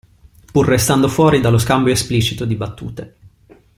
Pur restando fuori dallo scambio esplicito di battute.